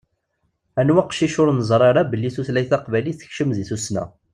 Anwa aqcic ur nezṛi ara belli tutlayt taqbaylit tekcem deg tussna.